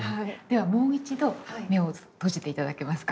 ではもう一度目を閉じていただけますか？